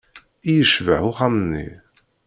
I yecbeḥ uxxam-nni!